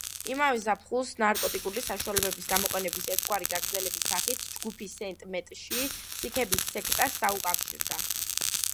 იმავე ზაფხულს, ნარკოტიკული საშუალებების გამოყენების ერთგვარი გაგრძელების სახით, ჯგუფი სენტ მეტში სიქების სექტას დაუკავშირდა.